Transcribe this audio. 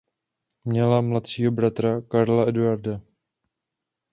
Měla mladšího bratra Karla Eduarda.